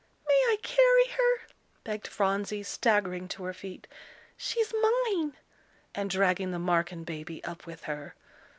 "May I carry her?" begged Phronsie, staggering to her feet "she's mine" and dragging the Marken baby up with her.